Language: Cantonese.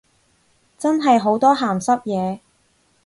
真係好多鹹濕嘢